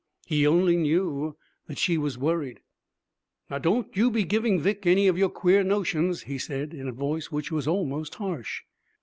He only knew that she was worried. 'Don't you be giving Vic any of your queer notions,' he said, in a voice which was almost harsh.